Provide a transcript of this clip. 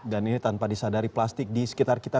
dan ini tanpa disadari plastik di sekitar kita